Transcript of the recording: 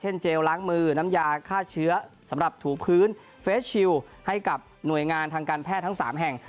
เจลล้างมือน้ำยาฆ่าเชื้อสำหรับถูพื้นเฟสชิลให้กับหน่วยงานทางการแพทย์ทั้ง๓แห่ง